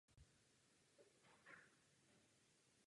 Pro toto bych nemohla hlasovat.